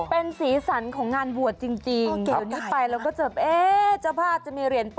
เป็นสีสันของงานบวชจริง